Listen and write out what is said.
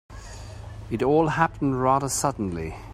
It all happened rather suddenly.